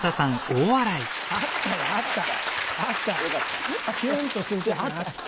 あったよあった！